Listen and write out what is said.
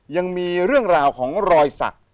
ยังมีเรื่องราวของรอยสัก